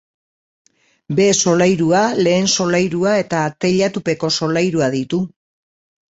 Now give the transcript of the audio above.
Behe solairua, lehen solairua eta teilatupeko solairua ditu.